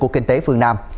kinh tế phương nam